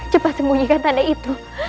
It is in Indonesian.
cepat sembunyikan tanda itu